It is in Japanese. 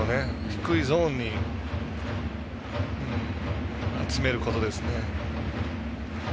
低いゾーンに集めることですね。